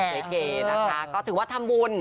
เก๋นะคะก็ถือว่าทำบุญ